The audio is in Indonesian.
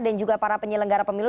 dan juga para penyelenggara pemilu